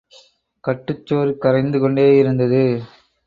கட்டுச்சோறு கரைந்து கொண்டேயிருந்தது.